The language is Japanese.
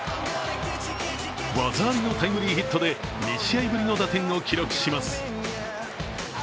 技ありのタイムリーヒットで２試合ぶりの打点を記録します。